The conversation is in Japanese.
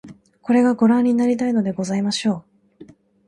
これが御覧になりたいのでございましょう